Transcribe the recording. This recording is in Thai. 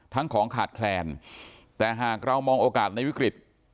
ของขาดแคลนแต่หากเรามองโอกาสในวิกฤต